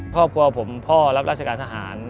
ครอบครัวผมพ่อรับราชการทหาร